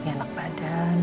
ya anak badan